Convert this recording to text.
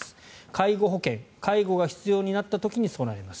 介護保険、介護が必要になった時に備えます。